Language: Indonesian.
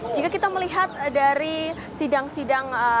jika kita melihat dari sidang sidang